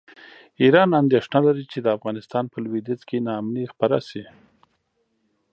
ایران اندېښنه لري چې د افغانستان په لویدیځ کې ناامني خپره شي.